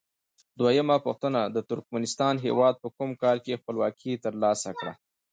دویمه پوښتنه: د ترکمنستان هیواد په کوم کال کې خپلواکي تر لاسه کړه؟